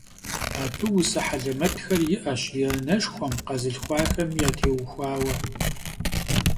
Абы усэ хьэлэмэтхэр иӀэщ и анэшхуэм, къэзылъхуахэм ятеухуауэ.